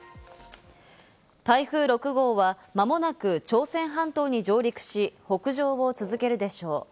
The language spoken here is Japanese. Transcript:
台風６号は間もなく朝鮮半島に上陸し、北上を続けるでしょう。